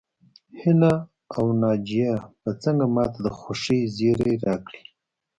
هيله او ناجيه به څنګه ماته د خوښۍ زيری راکړي